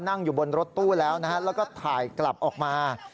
นั่งอยู่บนรถตู้แล้วนะฮะแล้วก็ถ่ายกลับออกมา